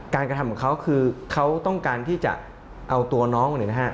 กระทำของเขาคือเขาต้องการที่จะเอาตัวน้องเนี่ยนะฮะ